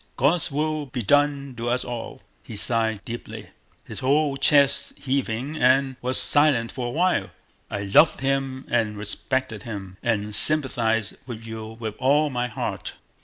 God's will be done to us all!" He sighed deeply, his whole chest heaving, and was silent for a while. "I loved him and respected him, and sympathize with you with all my heart."